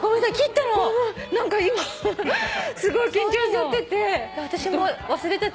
何か今すごい緊張してて。